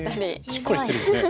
しっかりしてるんですね。